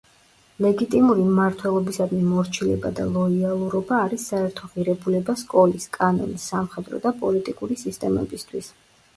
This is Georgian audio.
ლეგიტიმური მმართველობისადმი მორჩილება და ლოიალურობა არის საერთო ღირებულება სკოლის, კანონის, სამხედრო და პოლიტიკური სისტემებისთვის.